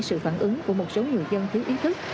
ứng của một số người dân thiếu ý thức